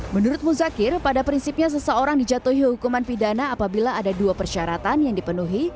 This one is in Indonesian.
menurut muzakir pada prinsipnya seseorang dijatuhi hukuman pidana apabila ada dua persyaratan yang dipenuhi